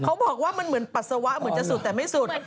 เขาบอกว่ามันเหมือนปัสสาวะเหมือนจะสุดแต่ไม่สุด